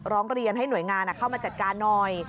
ร้องเรียนให้หน่วยงานเข้ามาจัดการหน่อย